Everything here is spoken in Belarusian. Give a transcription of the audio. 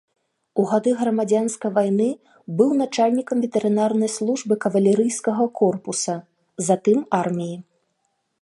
У гады грамадзянскай вайны быў начальнікам ветэрынарнай службы кавалерыйскага корпуса, затым арміі.